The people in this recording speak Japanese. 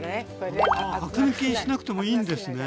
アク抜きしなくてもいいんですね。